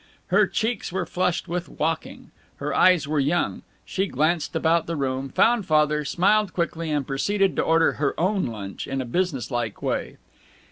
Her cheeks were flushed with walking. Her eyes were young. She glanced about the room, found Father, smiled quickly, and proceeded to order her own lunch in a business like way.